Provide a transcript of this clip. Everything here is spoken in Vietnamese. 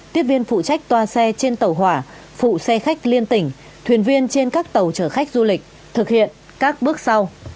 tiếp viên phụ trách toa xe trên tàu hỏa phụ xe khách liên tỉnh thuyền viên trên các tàu chở khách du lịch thực hiện các bước sau